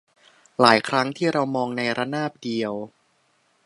หลายครั้งที่เรามองในระนาบเดียว